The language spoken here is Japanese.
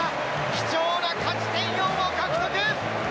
貴重な勝ち点４を獲得。